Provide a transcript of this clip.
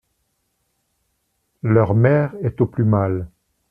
«Leur mère est au plus mal.